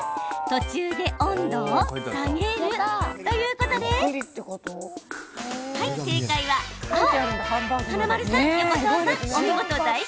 途中で温度を下げる！ということで、正解は青。